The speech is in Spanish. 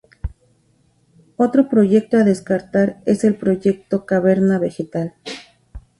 Otro proyecto a destacar es el proyecto Caverna Vegetal.